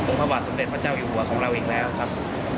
องค์ภาวะสำเร็จพระเจ้าอยู่หัวของเราอีกแล้วครับ